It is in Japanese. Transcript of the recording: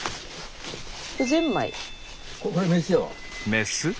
メス？